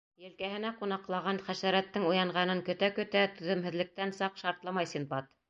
Елкәһенә ҡунаҡлаған хәшәрәттең уянғанын көтә-көтә түҙемһеҙлектән саҡ шартламай Синдбад.